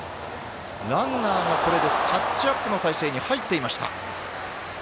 ランナーが、これでタッチアップの体勢に入っていました。